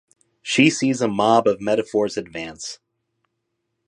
She sees a mob of metaphors advance.